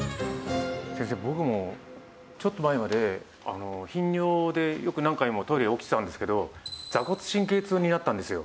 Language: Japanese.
先生僕もちょっと前まで頻尿でよく何回もトイレ起きてたんですけど坐骨神経痛になったんですよ。